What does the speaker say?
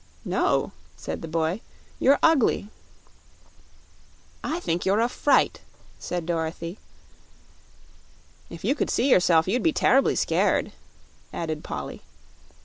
"No," said the boy; "you're ugly." "I think you're a fright," said Dorothy. "If you could see yourself you'd be terribly scared," added Polly.